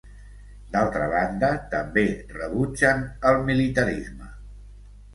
D'altra banda, també rebutgen el militarisme.